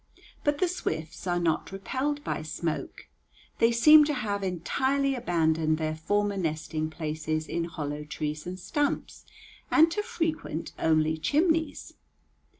But the swifts are not repelled by smoke. They seem to have entirely abandoned their former nesting places in hollow trees and stumps, and to frequent only chimneys.